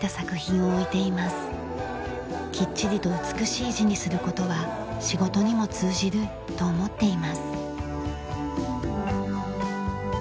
きっちりと美しい字にする事は仕事にも通じると思っています。